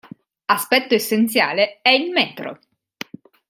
Aspetto essenziale è il metro.